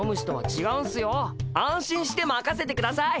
安心してまかせてください。